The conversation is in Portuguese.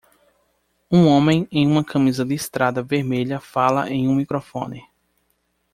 Um homem em uma camisa listrada vermelha fala em um microfone.